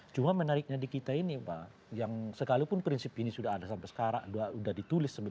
cuma menariknya di kita ini pak yang sekalipun prinsip ini sudah ada sampai sekarang sudah ditulis